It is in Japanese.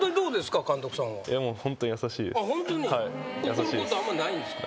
怒ることあんまないんすか？